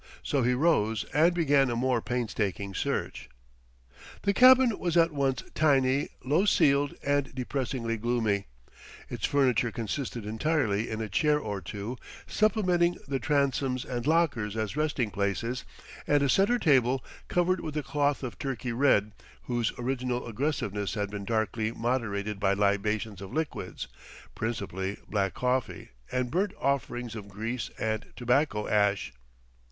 So he rose and began a more painstaking search. The cabin was at once tiny, low ceiled, and depressingly gloomy. Its furniture consisted entirely in a chair or two, supplementing the transoms and lockers as resting places, and a center table covered with a cloth of turkey red, whose original aggressiveness had been darkly moderated by libations of liquids, principally black coffee, and burnt offerings of grease and tobacco ash.